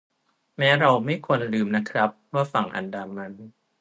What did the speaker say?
แม้เราไม่ควรลืมนะครับว่าฝั่งอันดามัน